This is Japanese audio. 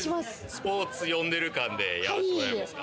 スポーツ読んでる感でやらせてもらいます。